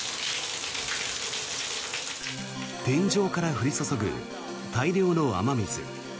天井から降り注ぐ大量の雨水。